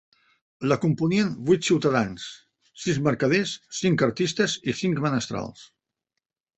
La componien vuit ciutadans, sis mercaders, cinc artistes i cinc menestrals.